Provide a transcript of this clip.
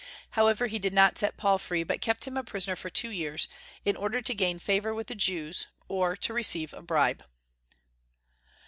However, he did not set Paul free, but kept him a prisoner for two years, in order to gain favor with the Jews, or to receive a bribe.